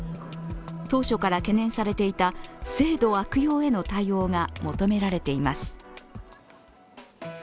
当初から懸念されていた制度悪用への対応が求められています。